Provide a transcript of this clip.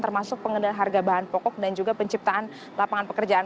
termasuk pengendalian harga bahan pokok dan juga penciptaan lapangan pekerjaan